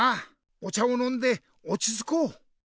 お茶をのんでおちつこう。